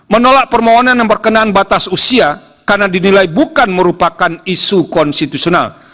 menolak permohonan yang berkenan batas usia karena dinilai bukan merupakan isu konstitusional